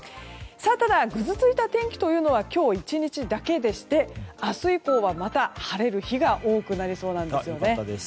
ただ、ぐずついた天気というのは今日１日だけでして明日以降は、また晴れる日が多くなりそうなんですよね。